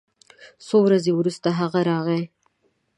څو ورځې وروسته هغه راغی